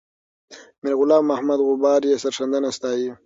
میرغلام محمد غبار یې سرښندنه ستایي.